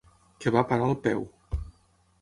Que va a parar al peu.